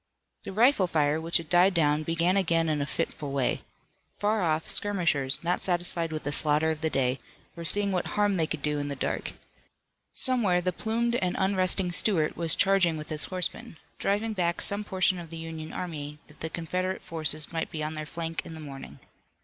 The rifle fire, which had died down, began again in a fitful way. Far off, skirmishers, not satisfied with the slaughter of the day, were seeing what harm they could do in the dark. Somewhere the plumed and unresting Stuart was charging with his horsemen, driving back some portion of the Union army that the Confederate forces might be on their flank in the morning.